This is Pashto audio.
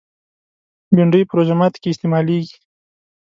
بېنډۍ په روژه ماتي کې استعمالېږي